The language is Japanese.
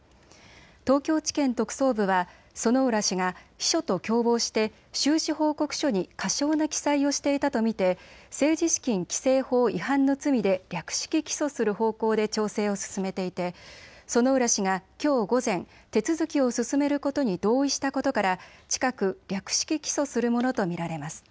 東京地検特捜部は薗浦氏が秘書と共謀して収支報告書に過少な記載をしていたと見て政治資金規正法違反の罪で略式起訴する方向で調整を進めていて薗浦氏がきょう午前、手続きを進めることに同意したことから近く略式起訴するものと見られます。